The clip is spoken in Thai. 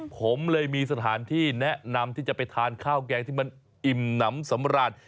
ผมเลยมีสถานที่แนะนำที่จะไปทานข้าวแกงที่มันอิ่มน้ำสำราญ